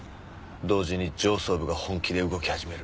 同時に上層部が本気で動き始める。